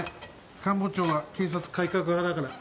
官房長は警察改革派だから。